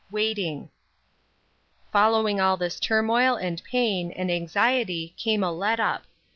WAITING. \ FOLLOWING all this turmoil, and pain, and anxiety came a let up.